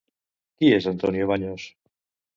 Qui és Antonio Baños?